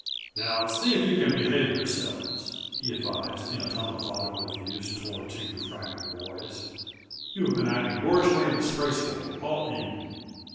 "Now, see if you can behave yourselves," he advised, in the tone a father would have used toward two refractory boys. "You have been acting boorishly and disgracefully all evening.